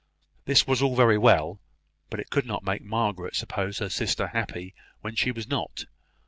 This was all very well; but it could not make Margaret suppose her sister happy when she was not.